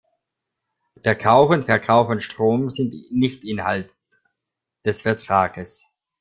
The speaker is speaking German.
Der Kauf und Verkauf von Strom sind nicht Inhalt des Vertrages.